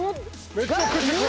めちゃくちゃ怖い！